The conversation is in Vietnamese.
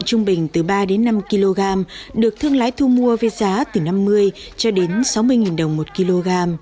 trung bình từ ba đến năm kg được thương lái thu mua với giá từ năm mươi cho đến sáu mươi đồng một kg